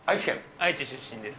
愛知出身です。